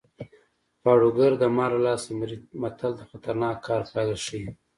پاړوګر د مار له لاسه مري متل د خطرناک کار پایله ښيي